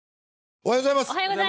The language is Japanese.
おはようございます。